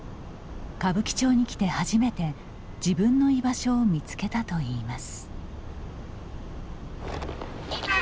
歌舞伎町に来て初めて自分の居場所を見つけたといいます。